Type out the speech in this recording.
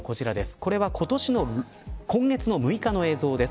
これは今月６日の映像です。